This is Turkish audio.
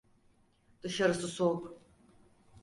Dışarısı soğuk.